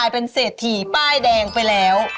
เป็นเศรษฐีป้ายแดงไปแล้ว